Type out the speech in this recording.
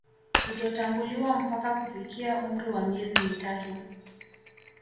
Kutotambuliwa mpaka kufikia umri wa miezi mitatu